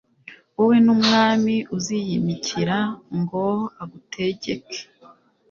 wowe n'umwami+ uziyimikira ngo agutegeke